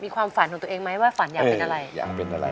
มีความฝันของตัวเองมั้ยว่าฝันอยากเป็นอะไร